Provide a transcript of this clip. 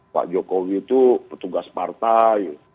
pak jokowi itu petugas partai